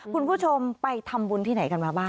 คุณผู้ชมไปทำบุญที่ไหนกันมาบ้าง